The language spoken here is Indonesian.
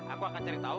aku akan cari tau